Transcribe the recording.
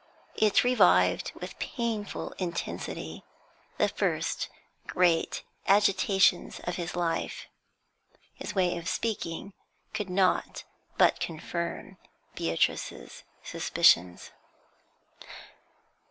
It revived with painful intensity the first great agitations of his life. His way of speaking could not but confirm Beatrice's suspicions.